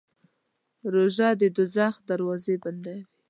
روژه د دوزخ دروازې بندوي.